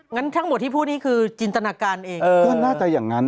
งั้นทั้งหมดที่พูดนี่คือจินตนาการเองก็น่าจะอย่างนั้น